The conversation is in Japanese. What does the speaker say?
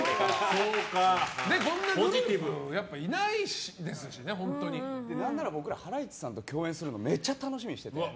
こんなポジティブな人たち何なら僕らハライチさんと共演するのめっちゃ楽しみにしてて。